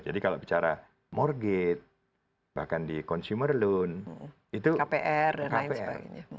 jadi kalau bicara morgit bahkan di consumer loan itu kpr dan lain sebagainya